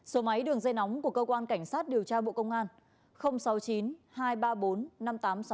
số máy đường dây nóng của cơ quan cảnh sát điều tra bộ công an